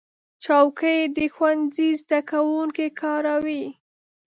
چوکۍ د ښوونځي زده کوونکي کاروي.